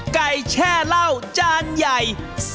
๒ไก่แช่เหล้าจานใหญ่